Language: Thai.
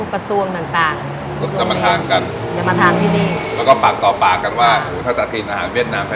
กระทรวงต่างต่างก็จะมาทานกันจะมาทานที่นี่แล้วก็ปากต่อปากกันว่าหูถ้าจะกินอาหารเวียดนามนะ